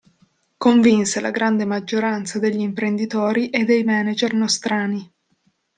Convinse la grande maggioranza degli imprenditori e dei manager nostrani.